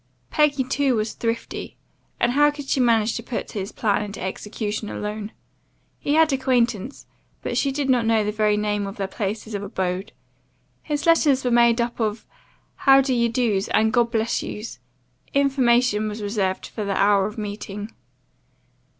Peggy too was thrifty, and how could she manage to put his plan in execution alone? He had acquaintance; but she did not know the very name of their places of abode. His letters were made up of How do you does, and God bless yous, information was reserved for the hour of meeting.